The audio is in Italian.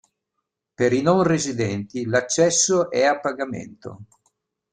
Per i non residenti l'accesso è a pagamento.